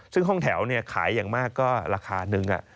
ซึ่งห้องแถวขายอย่างมากก็ราคานึง